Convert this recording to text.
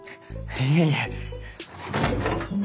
いえいえ。